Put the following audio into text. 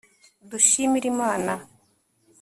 dushimire imana